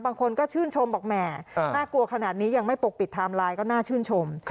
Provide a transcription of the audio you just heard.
บางคนก็ชื่นชมบอกแหมน่ากลัวขนาดนี้ยังไม่ปกปิดไทม์ไลน์ก็น่าชื่นชม